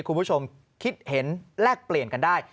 คุณผู้ชมคิดเห็นแลกเปลี่ยนกันได้